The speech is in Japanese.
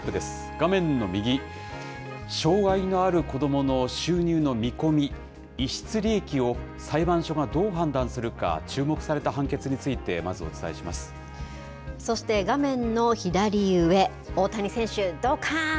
画面の右、障害のある子どもの収入の見込み、逸失利益を裁判所がどう判断するか注目された判決について、そして、画面の左上、大谷選手、どかーん！